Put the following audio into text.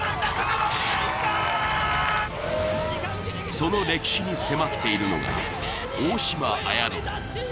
その歴史に迫っているのが、大嶋あやの。